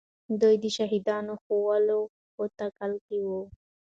دوی د شهیدانو ښخولو په تکل کې وو.